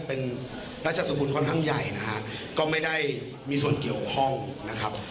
เป็นราชสกุลค่อนข้างใหญ่นะฮะก็ไม่ได้มีส่วนเกี่ยวข้องนะครับ